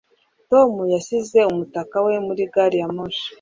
Tom yasize umutaka we muri gari ya moshi